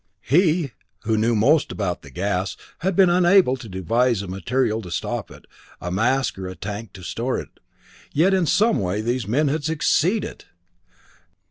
He, who knew most about the gas, had been unable to devise a material to stop it, a mask or a tank to store it, yet in some way these men had succeeded!